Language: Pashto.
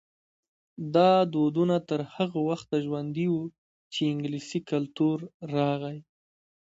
دا دودونه تر هغه وخته ژوندي وو چې انګلیسي کلتور راغی.